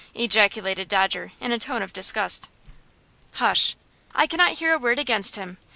ejaculated Dodger, in a tone of disgust. "Hush! I cannot hear a word against him.